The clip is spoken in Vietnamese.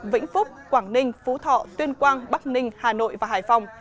vĩnh phúc quảng ninh phú thọ tuyên quang bắc ninh hà nội và hải phòng